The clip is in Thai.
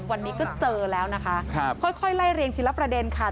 วันนี้ก็เจอแล้วนะคะค่อยไล่เรียงทีละประเด็นค่ะ